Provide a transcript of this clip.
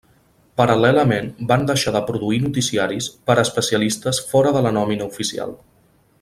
Paral·lelament, van deixar de produir noticiaris per especialistes fora de la nòmina oficial.